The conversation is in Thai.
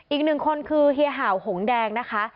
อีกหนึ่งคนคือเฮียเห่าหงแดงนะคะ